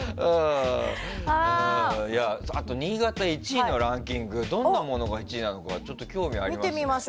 あと新潟が１位のランキングどんなものが１位なのか興味、あります。